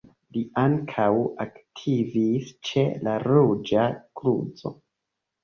Li ankaŭ aktivis ĉe la Ruĝa Kruco.